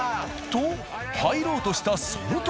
と入ろうとしたその時。